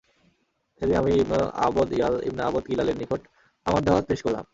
সেদিন আমি ইবন আবদ য়ালাল ইবন আবদ কিলাল-এর নিকট আমার দাওয়াত পেশ করলাম।